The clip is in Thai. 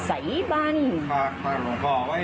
ไอ้ใสบัน